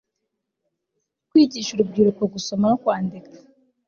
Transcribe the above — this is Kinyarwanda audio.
kwigisha urubyiruko gusoma no kwandika